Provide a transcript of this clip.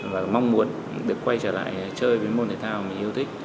và mong muốn được quay trở lại chơi với môn thể thao mình yêu thích